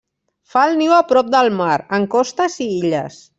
Fa el niu a prop del mar, en costes i illes.